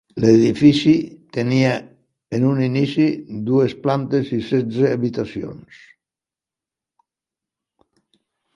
L'edifici tenia en un inici dues plantes i setze habitacions.